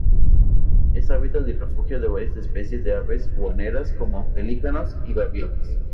Es hábitat y refugio de varias especies de aves guaneras, como pelícanos y gaviotas.